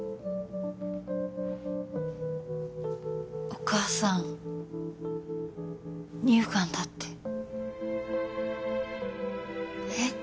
お母さん乳がんだってえっ？